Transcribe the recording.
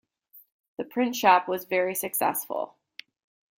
The Print Shop was very successful.